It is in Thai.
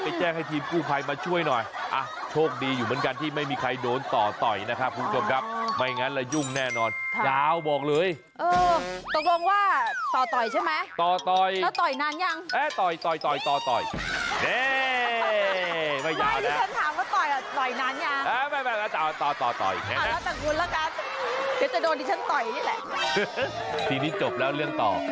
ไปแจ้งให้ทีมผู้ไฟมาช่วยหน่อยอ่ะโชคดีอยู่เหมือนกันที่ไม่มีใครโดนต่อ